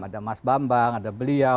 ada mas bambang ada beliau